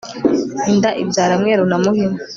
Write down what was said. inda ibyara mweru na muhima